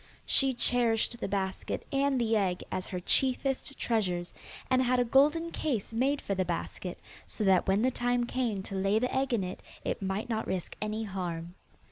She cherished the basket and the egg as her chiefest treasures, and had a golden case made for the basket, so that when the time came to lay the egg in it, it might not risk any harm.